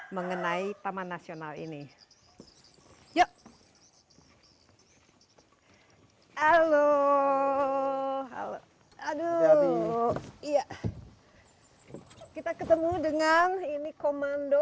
mengenai taman nasional ini yuk halo halo aduh iya kita ketemu dengan ini komando